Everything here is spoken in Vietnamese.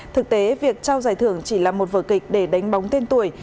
thực tế việc trao giải thưởng chỉ là một vở kịch để đánh bóng tên tuổi